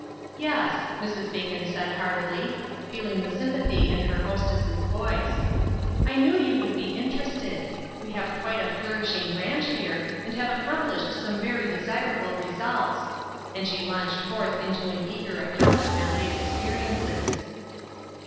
"Yes," Mrs. Bacon said heartily, feeling the sympathy in her hostess's voice ;" I knew you would be interested. We have quite a flourishing branch here, and have accomplished some very desirable results;" and she launched forth into an eager account of their late experiences.